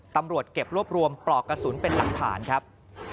ตำรวจเก็บรวบรวมปลอกกระสุนเป็นหลักฐานครับ